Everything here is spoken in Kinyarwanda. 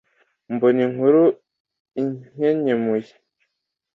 mbona inkuru inkenkemuye